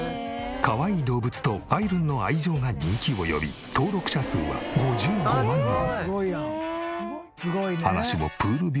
かわいい動物とあいるんの愛情が人気を呼び登録者数は５５万人。